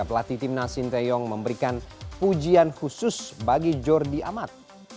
pelatih timnas sinteyong memberikan pujian khusus bagi jordi amat